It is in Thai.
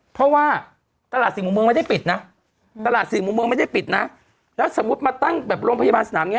เพราะว่าตลาดสิ่งบุคเมิงไม่ได้ปิดนะแล้วสมมุติมาตั้งแบบโรงพยาบาลสนามนี้